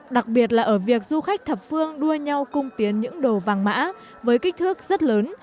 đặc biệt là ở việc du khách thập phương đua nhau cung tiến những đồ vàng mã với kích thước rất lớn